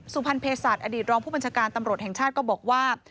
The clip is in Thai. สุพรรณเพศศาสตร์อดีตรองผู้บัญชาการตำรวจแห่งชาติก็บอกว่า